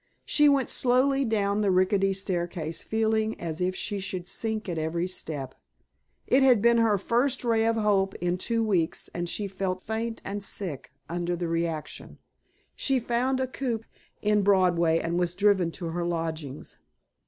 She went slowly down the rickety staircase feeling as if she should sink at every step. It had been her first ray of hope in two weeks and she felt faint and sick under the reaction. She found a coupe in Broadway and was driven to her lodgings.